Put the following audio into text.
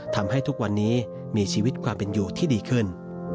ทำให้ทุกวันนี้มีชีวิตความเป็นอยู่ที่ดีขึ้น